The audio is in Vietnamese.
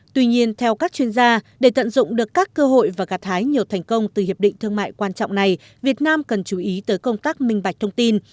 tuy nhiên theo các chuyên gia để tận dụng được các cơ hội và gạt hái nhiều thành công từ hiệp định thương mại quan trọng này việt nam cần chú ý tới công tác minh bạch thông tin